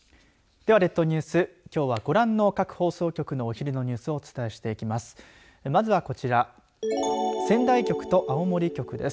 では、列島ニュースきょうは、ご覧の各放送局のお昼のニュースをお伝えしていきます。